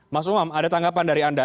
mas umam ada tanggapan dari anda